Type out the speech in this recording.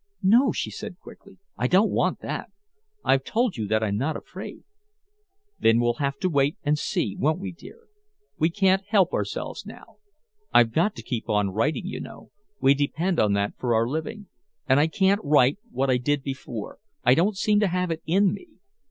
"No," she said quickly. "I don't want that. I've told you that I'm not afraid " "Then we'll have to wait and see, won't we, dear? We can't help ourselves now. I've got to keep on writing, you know we depend on that for our living. And I can't write what I did before I don't seem to have it in me.